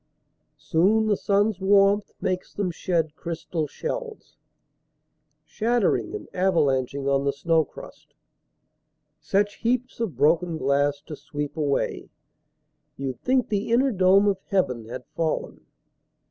Soon the sun's warmth makes them shed crystal shells Shattering and avalanching on the snow crust Such heaps of broken glass to sweep away You'd think the inner dome of heaven had fallen.